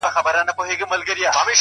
توزنه هيله د خداى د کرمه وتلې ده.